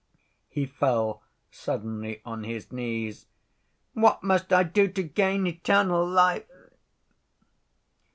he fell suddenly on his knees, "what must I do to gain eternal life?"